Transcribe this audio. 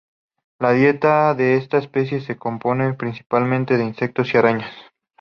La dieta de esta especie se compone principalmente de insectos y arañas.